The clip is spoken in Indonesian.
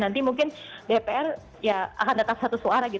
nanti mungkin dpr akan tetap satu suara